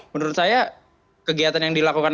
menurut saya kegiatan yang dilakukan